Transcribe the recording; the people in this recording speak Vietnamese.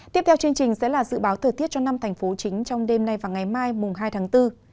tiếp theo chương trình sẽ là dự báo thời tiết cho năm thành phố chính trong đêm nay và ngày mai mùng hai tháng bốn